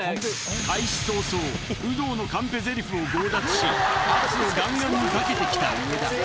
開始早々、有働のカンペぜりふを強奪し、圧をがんがんにかけてきた上田。